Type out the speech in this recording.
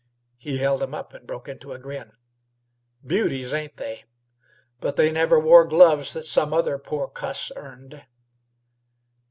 He held them up and broke into a grin. "Beauties, ain't they? But they never wore gloves that some other poor cuss earned."